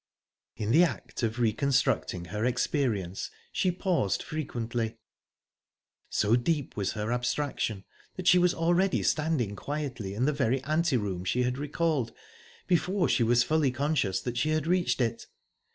In the act of reconstructing her experience she paused frequently. So deep was her abstraction that she was already standing quietly in the very ante room she had recalled, before she was fully conscious that she had reached it.